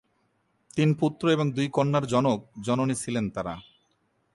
তিন পুত্র এবং দুই কন্যার জনক-জননী ছিলেন তারা।